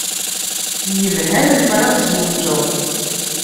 Yelha lemmer ad tzewǧeḍ.